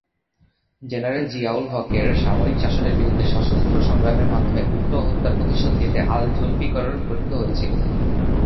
General জিয়া-উল-হকের সামরিক শাসনের বিরুদ্ধে সশস্ত্র সংগ্রামের মাধ্যমে ভুট্টো হত্যার প্রতিশোধ নিতে আল-জুলফিকার গঠিত হয়েছিল।